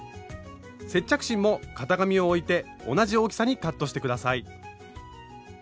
接着芯も型紙を置いて同じ大きさにカットして下さい。